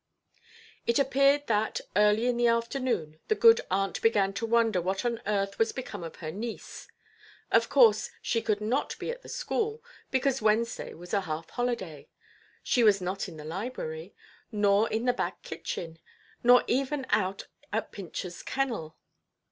It appears that, early in the afternoon, the good aunt began to wonder what on earth was become of her niece. Of course she could not be at the school, because Wednesday was a half–holiday; she was not in the library, nor in the back–kitchen, nor even out at Pincherʼs kennel.